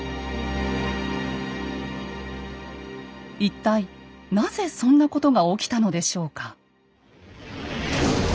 一体なぜそんなことが起きたのでしょうか。